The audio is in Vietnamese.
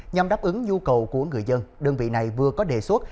nhằm đáp ứng nhu cầu của người dân đơn vị này vừa có đề xuất